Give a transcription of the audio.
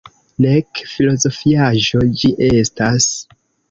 Nek filozofiaĵo ĝi estas.